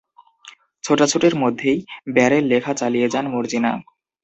ছোটাছুটির মধ্যেই ব্যারেল লেখা চালিয়ে যান মর্জিনা।